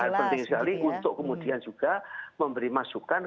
sangat penting sekali untuk kemudian juga memberi masukan